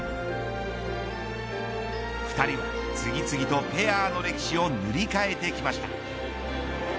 ２人は次々とペアの歴史を塗り替えてきました。